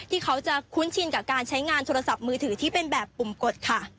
ที่เขาจะคุ้นชินกับการใช้งานโทรศัพท์มือถือที่เป็นแบบปุ่มกดค่ะ